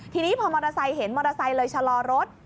ทีนี้พอมอเตอร์ไซค์เห็นมอเตอร์ไซค์เลยชะลอรถ